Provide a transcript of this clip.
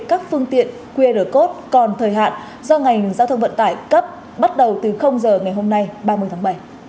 các phương tiện qr code còn thời hạn do ngành giao thông vận tải cấp bắt đầu từ giờ ngày hôm nay ba mươi tháng bảy